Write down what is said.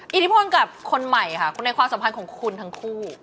อิทธิพลกับคนใหม่ค่ะคนในความสัมพันธ์ของคุณทั้งคู่